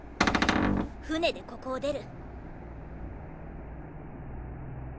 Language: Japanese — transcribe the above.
船でここを出る。